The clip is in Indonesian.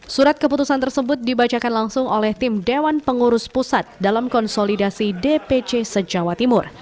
surat keputusan tersebut dibacakan langsung oleh tim dewan pengurus pusat dalam konsolidasi dpc se jawa timur